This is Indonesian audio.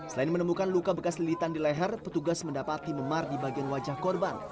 selain menemukan luka bekas lilitan di leher petugas mendapati memar di bagian wajah korban